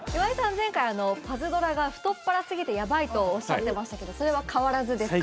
前回『パズドラ』が太っ腹すぎてやばいとおっしゃってましたけどそれは変わらずですか？